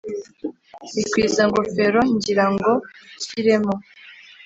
rwikwiza-ngofero ngira ngo nshyiremo